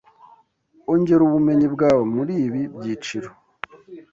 Ongera ubumenyi bwawe muri ibi byiciro